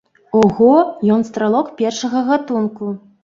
Ого, ён стралок першага гатунку!